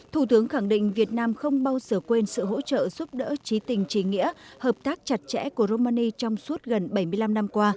thủ tướng khẳng định việt nam không bao giờ quên sự hỗ trợ giúp đỡ trí tình trí nghĩa hợp tác chặt chẽ của romani trong suốt gần bảy mươi năm năm qua